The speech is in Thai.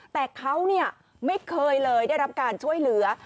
แต่เขาไม่เคยเลยได้รับการช่วยเหลือ